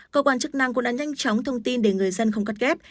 cơ quan chức năng cũng đã nhanh chóng thông tin để người dân không cắt ghép